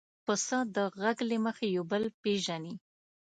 پسه د غږ له مخې یو بل پېژني.